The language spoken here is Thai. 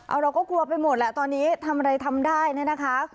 เอาเราก็กลัวไปหมดแหละตอนนี้ทำอะไรทำได้เนี่ยนะคะ